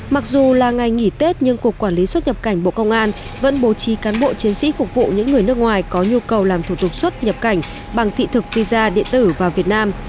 mặc dù là ngày nghỉ tết nhưng cục quản lý xuất nhập cảnh bộ công an vẫn bố trí cán bộ chiến sĩ phục vụ những người nước ngoài có nhu cầu làm thủ tục xuất nhập cảnh bằng thị thực visa điện tử vào việt nam